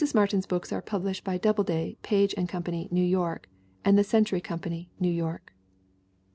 Martin's books are published by Doubleday, Page & Company, New York, and the Century Com pany, New York.